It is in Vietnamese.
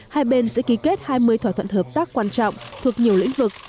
hai bên sẽ ký kết hai mươi thỏa thuận hợp tác quan trọng thuộc nhiều lĩnh vực